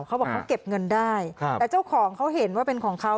เขาบอกเขาเก็บเงินได้แต่เจ้าของเขาเห็นว่าเป็นของเขา